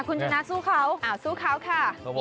คุณชนะสู้เขาสู้เขาค่ะ